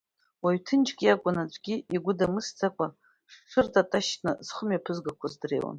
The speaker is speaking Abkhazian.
Уаҩ ҭынчк иакәын, аӡәгьы игәы дамысӡакәа, зҽыртаташьны зхы мҩаԥызгақәоз дреиуан.